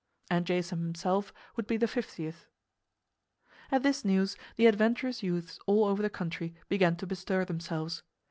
And Jason himself would be the fiftieth. At this news the adventurous youths all over the country began to bestir themselves.